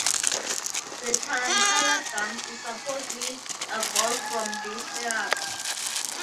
The tarantella dance supposedly evolved from this therapy.